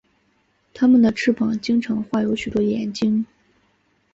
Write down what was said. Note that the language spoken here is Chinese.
他们的翅膀经常画有很多眼睛。